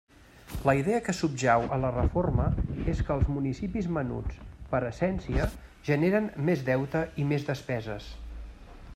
La idea que subjau a la reforma és que els municipis menuts, per essència, generen més deute i més despeses.